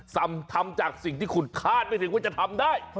ทำทำจากสิ่งที่คุณคาดไม่ถึงว่าจะทำได้